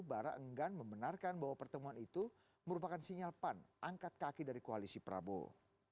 bara enggan membenarkan bahwa pertemuan itu merupakan sinyal pan angkat kaki dari koalisi prabowo